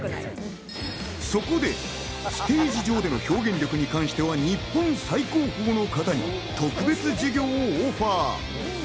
そこでステージ上での表現力は日本最高峰の方に特別授業をオファー。